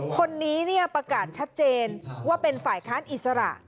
คนนี้ประกาศชัดเจนว่าเป็นฝ่ายค้านอิสระ